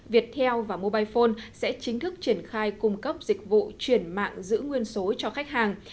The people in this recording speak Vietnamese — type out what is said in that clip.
viettel và mobile phone sẽ chính thức triển khai cung cấp dịch vụ chuyển mạng giữ nguyên số cho khách hàng